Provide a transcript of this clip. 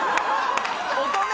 乙女！